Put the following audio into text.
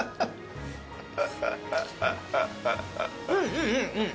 うんうんうん。